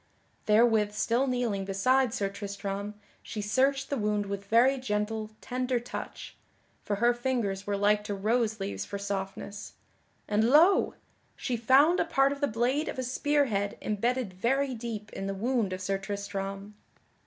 Therewith still kneeling beside Sir Tristram she searched the wound with very gentle, tender touch (for her fingers were like to rose leaves for softness) and lo! she found a part of the blade of a spear head embedded very deep in the wound of Sir Tristram.